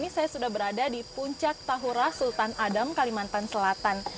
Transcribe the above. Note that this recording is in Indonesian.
nah saat ini saya sudah berada di puncak tahura sultan adam kalimantan selatan